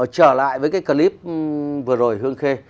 trở lại với cái clip vừa rồi hương khê